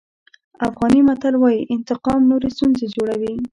افغاني متل وایي انتقام نورې ستونزې جوړوي.